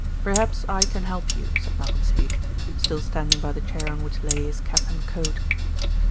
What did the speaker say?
"Perhaps I can help you," said Malcolm Sage, still standing by the chair on which lay his cap and coat.